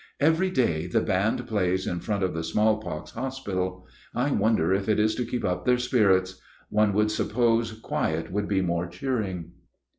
Every day the band plays in front of the smallpox hospital. I wonder if it is to keep up their spirits? One would suppose quiet would be more cheering.